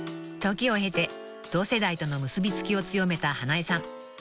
［時を経て同世代との結び付きを強めた花江さん］